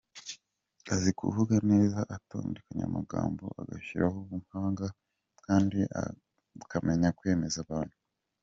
Azi kuvuga neza atondekanya amagambo, agashyiramo ubuhanga kandi akamenya kwemeza abantu.